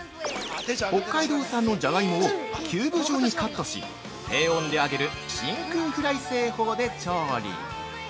◆北海道産のじゃがいもをキューブ状にカットし低温で揚げる真空フライ製法で調理。